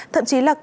thậm chí là cố